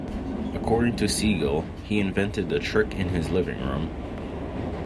According to Siegel, he invented the trick in his living room.